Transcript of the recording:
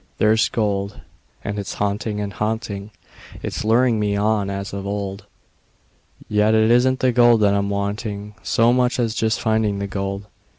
There's gold, and it's haunting and haunting; It's luring me on as of old; Yet it isn't the gold that I'm wanting So much as just finding the gold.